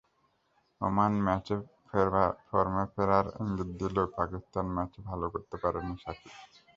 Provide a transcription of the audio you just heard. Oman ম্যাচে ফর্মে ফেরার ইঙ্গিত দিলেও পাকিস্তান ম্যাচে ভালো করতে পারেননি সাকিব।